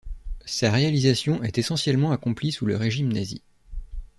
Sa réalisation est essentiellement accomplie sous le régime nazi.